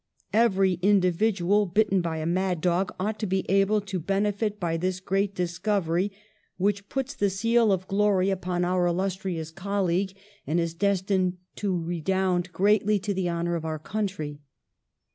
Every individual bitten by a mad dog ought to be able to benefit by this great discovery, which puts the seal of glory 174 PASTEUR upon our illustrious colleague, and is destined to redound greatly to the honour of our coun try."